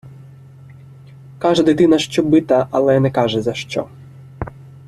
Каже дитина, що бита, але не каже, за що.